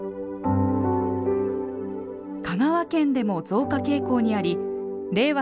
香川県でも増加傾向にあり令和